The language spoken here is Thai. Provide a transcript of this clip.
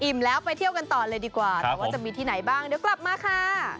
แล้วไปเที่ยวกันต่อเลยดีกว่าแต่ว่าจะมีที่ไหนบ้างเดี๋ยวกลับมาค่ะ